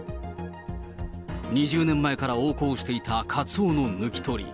２０年前から横行していたカツオの抜き取り。